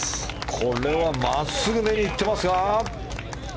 これは真っすぐめに行っていますが。